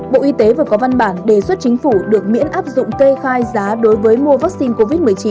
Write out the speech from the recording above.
bộ y tế vừa có văn bản đề xuất chính phủ được miễn áp dụng cây khai giá đối với mua vắc xin covid một mươi chín